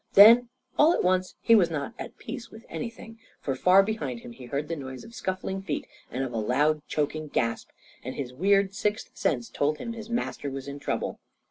Then all at once he was not at peace with anything. For, far behind him, he heard the noise of scuffling feet and of a loud, choking gasp. And his weird sixth sense told him his master was in trouble.